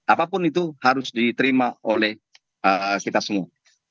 apapun itu harus diterima oleh kita semua